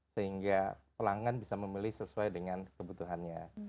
sehingga pelanggan bisa memilih sesuai dengan kebutuhannya